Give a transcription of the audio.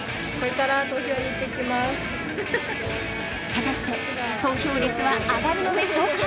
果たして投票率は上がるのでしょうか！？